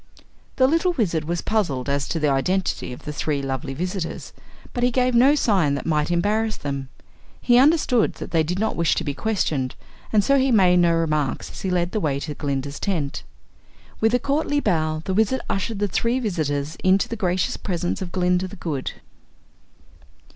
The little Wizard was puzzled as to the identity of the three lovely visitors but he gave no sign that might embarrass them. He understood they did not wish to be questioned, and so he made no remarks as he led the way to Glinda's tent. With a courtly bow the Wizard ushered the three visitors into the gracious presence of Glinda, the Good.